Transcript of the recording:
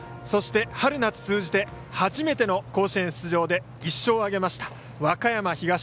そして、春夏通じて初めての甲子園出場で１勝を挙げました、和歌山東。